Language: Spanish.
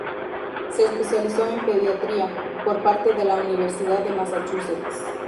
Se especializó en pediatría, por parte de la Universidad de Massachusetts.